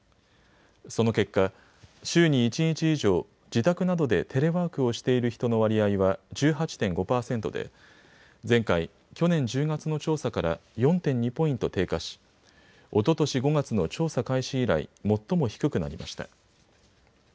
その結果、週に１日以上、自宅などでテレワークをしている人の割合は１８．５％で前回、去年１０月の調査から４．２ポイント低下し、おととし５月の調査開始以来、最も低くなりました。